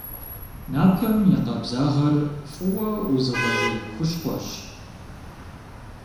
Напэм и къабзагъэр фӏыуэ узыгъэжей хущхъуэщ.